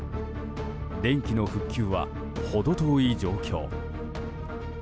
電気の復旧は程遠い状況。